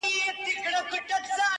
ورځيني ليري گرځــم ليــري گــرځــــم،